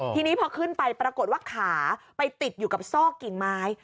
ทีนี้พอขึ้นไปปรากฏว่าขาไปติดอยู่กับซอกกิ่งไม้